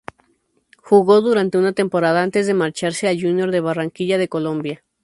Jugó durante una temporada antes de marcharse al Junior de Barranquilla de Colombia.